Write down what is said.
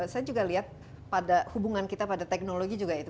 saya juga lihat pada hubungan kita pada teknologi juga itu